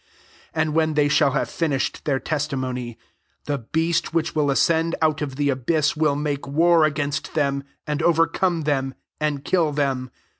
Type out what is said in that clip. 7 And when ihey shall have finished their testimony, the beast which will iscend out of the abyss will nake war against them, and overcome them, and kill them.